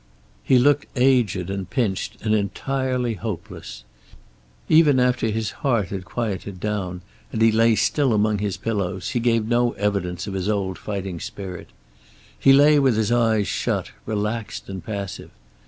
He looked aged and pinched, and entirely hopeless. Even after his heart had quieted down and he lay still among his pillows, he gave no evidence of his old fighting spirit. He lay with his eyes shut, relaxed and passive.